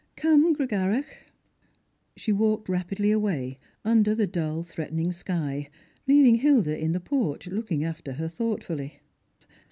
" Come, Gregarach." She walked rapidly away, under the dull threatening sky, leaving Hilda in the porch, looking after her thoughtfully.